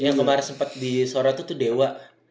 yang kemarin sempet di sorot tuh dewa